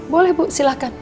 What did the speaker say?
boleh bu silahkan